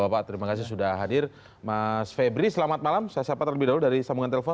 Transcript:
bapak terima kasih sudah hadir mas febri selamat malam saya sapa terlebih dahulu dari sambungan telepon